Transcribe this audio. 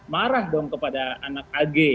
marah kepada anak ag